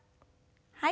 はい。